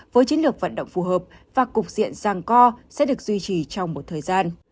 với chiến lược vận động phù hợp và cục diện sàng co sẽ được duy trì trong một thời gian